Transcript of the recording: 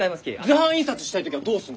図版印刷したい時はどうすんだよ？